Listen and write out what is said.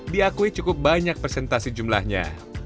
diakui cukup banyak presentasi jumlahnya